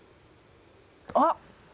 あっ！